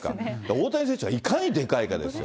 大谷選手がいかにでかいかですよ。